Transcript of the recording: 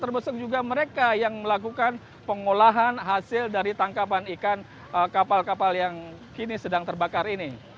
termasuk juga mereka yang melakukan pengolahan hasil dari tangkapan ikan kapal kapal yang kini sedang terbakar ini